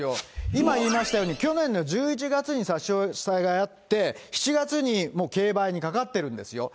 今言いましたように、去年の１１月に差し押さえがあって、７月にもう競売にかかってるんですよ。